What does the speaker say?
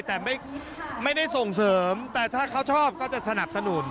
แต่ไม่ได้ส่งเสริมแต่ถ้าเขาชอบก็จะสนับสนุน